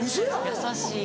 優しい。